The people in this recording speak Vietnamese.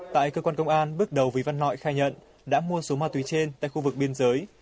tại cơ quan công an bước đầu vì văn nội khai nhận đã mua số ma túy trên tại khu vực biên giới